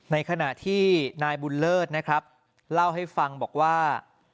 ในขณะที่นายบุญเลิศนะครับเล่าให้ฟังบอกว่า